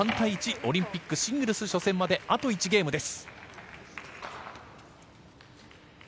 オリンピックシングルス初戦まであと１ゲームです。